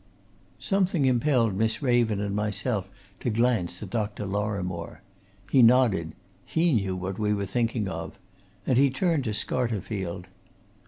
Something impelled Miss Raven and myself to glance at Dr. Lorrimore. He nodded he knew what we were thinking of. And he turned to Scarterfield.